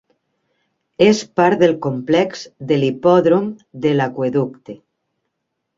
És part del complex de l'Hipòdrom de l'Aqüeducte.